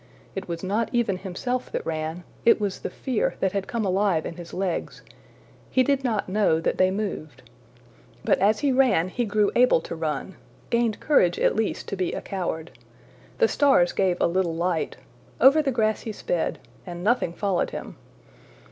It was not even himself that ran, it was the fear that had come alive in his legs; he did not know that they moved. But as he ran he grew able to run gained courage at least to be a coward. The stars gave a little light. Over the grass he sped, and nothing followed him.